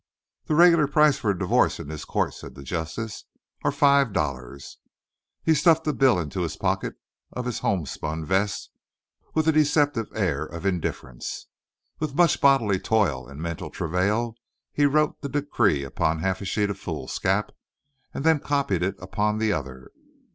"The regular price of a divo'ce in this co't," said the Justice, "air five dollars." He stuffed the bill into the pocket of his homespun vest with a deceptive air of indifference. With much bodily toil and mental travail he wrote the decree upon half a sheet of foolscap, and then copied it upon the other.